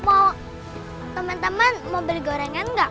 mau temen temen mau beli gorengan enggak